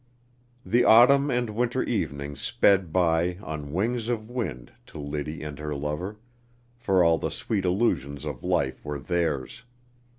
The autumn and winter evenings sped by on wings of wind to Liddy and her lover, for all the sweet illusions of life were theirs.